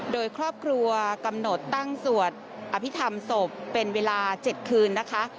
โดยครอบครัวกำหนดตั้งสวดอภิษฐรรมศพเป็นเวลา๗คืนนะคะ